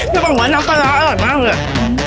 พี่บ่งว่าน้ำตาล้าอร่อยมากเลย